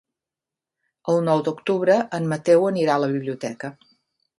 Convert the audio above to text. El nou d'octubre en Mateu anirà a la biblioteca.